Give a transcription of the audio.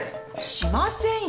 しませんよ